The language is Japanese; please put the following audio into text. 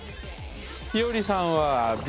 ひよりさんはＢ。